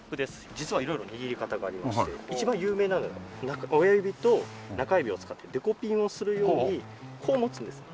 実は色々握り方がありまして一番有名なのが親指と中指を使ってデコピンをするようにこう持つんですね。